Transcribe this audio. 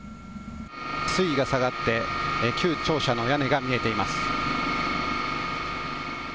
水位が下がって、旧庁舎の屋根が見えています。